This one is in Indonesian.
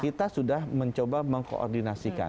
kita sudah mencoba mengkoordinasikan